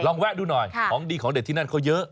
แวะดูหน่อยของดีของเด็ดที่นั่นเขาเยอะ